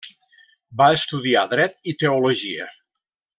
Va estudiar Dret i Teologia.